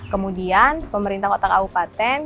kemudian pemerintah kota kabupaten